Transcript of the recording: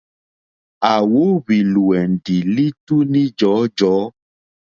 À wóhwì lùwɛ̀ndì lítúní jɔ̀ɔ́jɔ̀ɔ́.